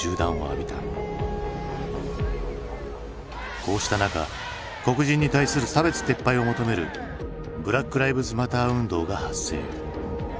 こうした中黒人に対する差別撤廃を求めるブラック・ライブズ・マター運動が発生。